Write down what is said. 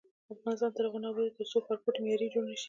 افغانستان تر هغو نه ابادیږي، ترڅو ښارګوټي معیاري جوړ نشي.